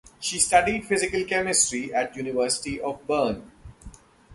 She studied physical chemistry at the University of Bern.